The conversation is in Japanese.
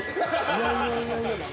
いやいやいやいや。